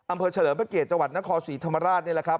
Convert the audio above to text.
เฉลิมพระเกียรติจังหวัดนครศรีธรรมราชนี่แหละครับ